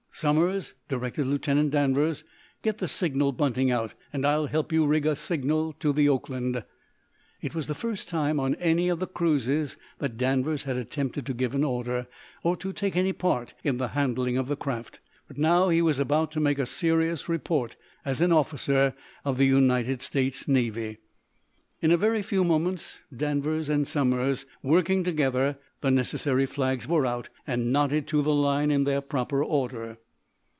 "Somers," directed Lieutenant Danvers, "get the signal bunting out, and I'll help you rig a signal to the 'Oakland.'" It was the first time, on any of the cruises, that Danvers had attempted to give an order, or to take any part in the handling of the craft. But now he was about to make a serious report, as an officer of the United States Navy. In a very few moments, Danvers and Somers working together, the necessary flags were out, and knotted to the line in their proper order.